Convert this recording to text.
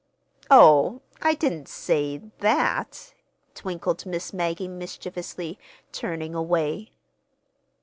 "Oh, I didn't say—that," twinkled Miss Maggie mischievously, turning away.